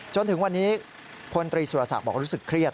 จนถึงวันนี้พลตรีสุรศักดิ์บอกว่ารู้สึกเครียด